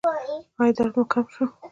ایا درد مو کم شو؟